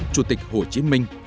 chủ tịch hồ chí minh